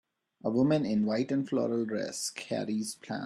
A woman in a white and floral dress carries plants.